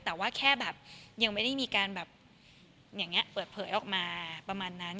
แต่ว่าแค่แบบยังไม่ได้มีการแบบอย่างนี้เปิดเผยออกมาประมาณนั้น